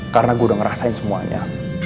karena gue udah ngerasain semuanya